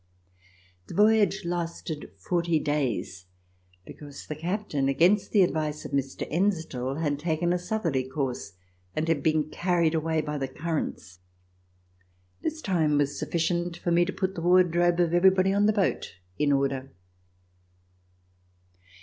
The voyage lasted forty days, because the captain, against the advice of Mr. Ensdel, had taken a southerly course, and had been carried away by the currents. This time was sufficient for me to put the wardrobe of everybody on the boat in order.